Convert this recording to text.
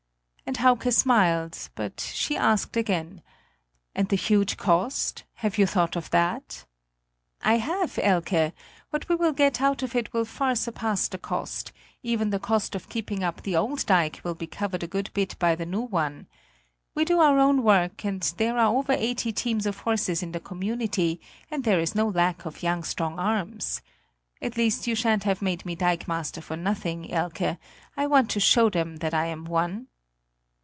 And Hauke smiled; but she asked again: "And the huge cost? Have you thought of that?" "I have, Elke; what we will get out of it will far surpass the cost; even the cost of keeping up the old dike will be covered a good bit by the new one. We do our own work and there are over eighty teams of horses in the community, and there is no lack of young strong arms. At least you shan't have made me dikemaster for nothing, Elke; I want to show them that I am one!"